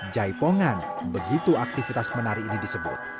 jaipongan begitu aktivitas menari ini disebut